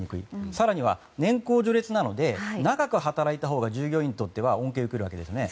更には年功序列なので長く働いたほうが従業員は恩恵を受けるわけですね。